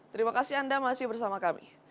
terima kasih anda masih bersama kami